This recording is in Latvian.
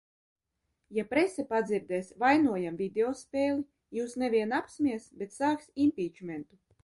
Ja prese padzirdēs: vainojam videospēli, jūs ne vien apsmies, bet sāks impīčmentu!